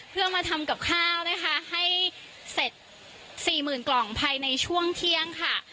เพื่อมาทำกับข้าวนะคะให้เสร็จสี่หมื่นกล่องภายในช่วงเที่ยงค่ะ